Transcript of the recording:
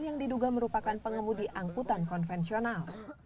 yang diduga merupakan pengemudi angkutan konvensional